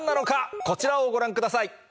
こちらをご覧ください。